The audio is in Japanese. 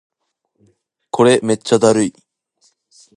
これめっちゃだるい